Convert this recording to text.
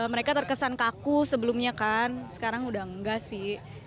mereka terkesan kaku sebelumnya kan sekarang udah enggak sih